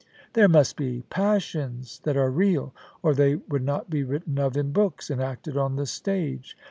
There must be passions that are real, or they would not be written of in books and acted on the stage.